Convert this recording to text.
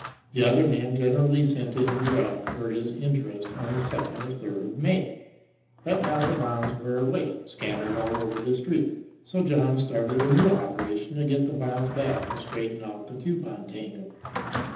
The other man generally sent in a draft for his interest on the second or third of May. But now the bonds were away, scattered all over the Street. So John started a new operation to get the bonds back and straighten out the coupon tangle.